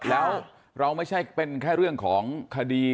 แล้วเราไม่ใช่เป็นแค่เรื่องของคดี